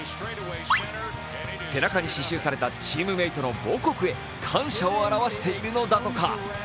背中に刺しゅうされたチームメートの母国へ感謝を表しているのだとか。